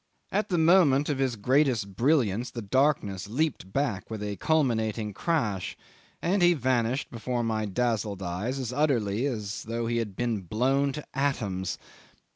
At the moment of greatest brilliance the darkness leaped back with a culminating crash, and he vanished before my dazzled eyes as utterly as though he had been blown to atoms.